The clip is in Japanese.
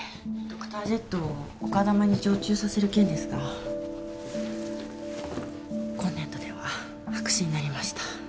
ドクタージェットを丘珠に常駐させる件ですが今年度では白紙になりました。